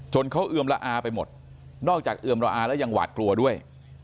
เขาเอือมละอาไปหมดนอกจากเอือมระอาและยังหวาดกลัวด้วย